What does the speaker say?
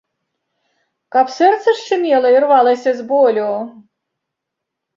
Каб сэрца шчымела і рвалася з болю?